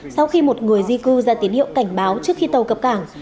sau khi một người di cư ra tiến hiệu cảnh báo trước khi tàu cập cảng